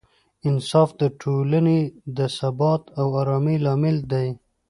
انصاف د ټولنې د ثبات او ارامۍ لامل دی.